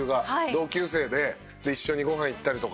同級生で一緒にご飯行ったりとか。